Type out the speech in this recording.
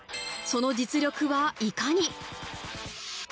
その実力はいかに。